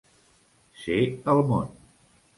Ser al món.